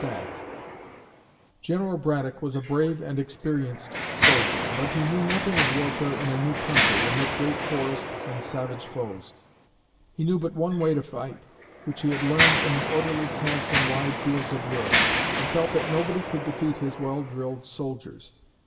[Illustration: The Indians fell upon their flanks] General Braddock was a brave and experienced soldier, but he knew nothing of warfare in a new country, amid great forests and savage foes. He knew but one way to fight, which he had learned in the orderly camps and wide fields of Europe, and felt that nobody could defeat his well drilled soldiers.